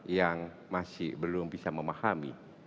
yang masih belum bisa memahami